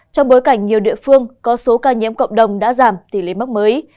trong bối cảnh nhiều địa phương có số ca nhiễm cộng đồng đã giảm tỷ lệ mắc mới